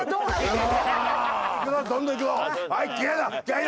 どんどんいくぞ！